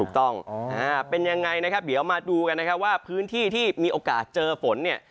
ถูกต้องเป็นยังไงนะครับเดี๋ยวมาดูกันนะครับว่าพื้นที่ที่มีโอกาสเจอฝนเนี่ย